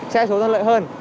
xe số thân lợi hơn